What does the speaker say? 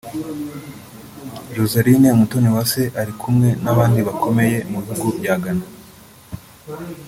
Joselyne Umutoniwase ari kumwe n’abandi bakomeye mu bihugu bya Ghana